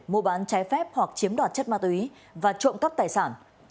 mua bán trái phép hoặc chiếm đoạt chất ma túy và trộm cắp tài sản